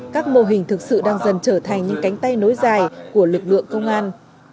các mô hình thực sự đang dần trở thành những cánh tay nối dài của lực lượng công an